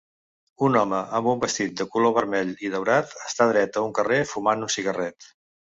Un home amb un vestit de color vermell i daurat està dret a un carrer fumant un cigarret.